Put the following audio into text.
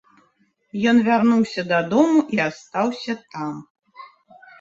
Ён вярнуўся дадому і астаўся там.